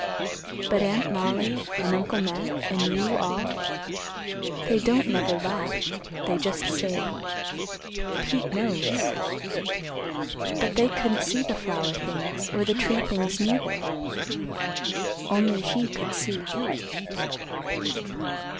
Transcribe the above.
But Aunt Mollie, an' Uncle Matt, an' you all, they don't never laugh. They just say, 'Pete knows.' But they couldn't see the flower things, or the tree things neither. Only he could see."